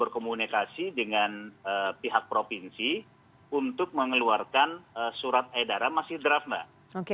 berkomunikasi dengan pihak provinsi untuk mengeluarkan surat edaran masih draft mbak